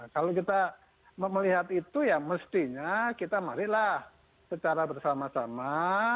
kalau kita melihat itu ya mestinya kita marilah secara bersama sama